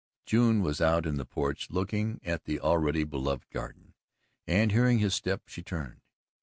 June was out in the porch looking at the already beloved garden, and hearing his step she turned.